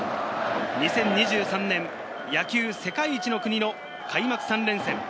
２０２３年、野球世界一の国の開幕３連戦。